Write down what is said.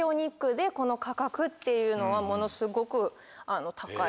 っていうのはものすごく高い。